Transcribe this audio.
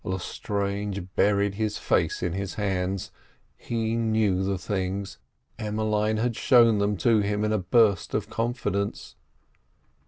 Lestrange buried his face in his hands. He knew the things. Emmeline had shown them to him in a burst of confidence.